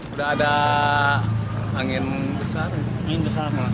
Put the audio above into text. udah ada angin besar